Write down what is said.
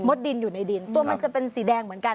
ดินอยู่ในดินตัวมันจะเป็นสีแดงเหมือนกัน